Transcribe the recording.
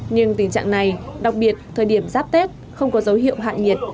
nhưng tình trạng này đặc biệt thời điểm giáp tết không có dấu hiệu hạ nhiệt